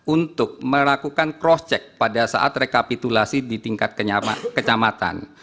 untuk melakukan cross check pada saat rekapitulasi di tingkat kecamatan